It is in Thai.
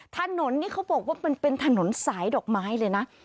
ถนนนี่เขาบอกว่ามันเป็นถนนสายดอกไม้เลยนะ